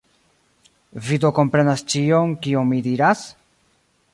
Vi do komprenas ĉion, kion mi diras?